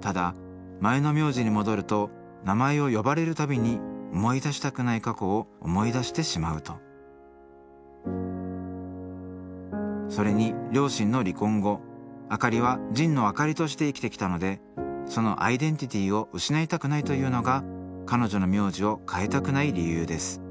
ただ前の名字に戻ると名前を呼ばれるたびに思い出したくない過去を思い出してしまうとそれに両親の離婚後明里は「神野明里」として生きてきたのでそのアイデンティティーを失いたくないというのが彼女の名字を変えたくない理由です